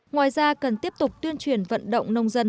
ngoài ra cần tiếp tục tuyên truyền vận động nông dân